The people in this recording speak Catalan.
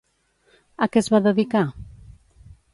A què es va dedicar?